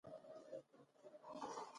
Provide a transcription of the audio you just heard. نن مې د کور خونه تازه کړه.